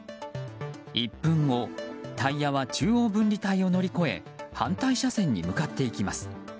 １分後、タイヤは中央分離帯を乗り越え反対車線に向かっていきます。